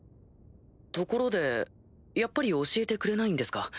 ところでやっぱり教えてくれないんですか？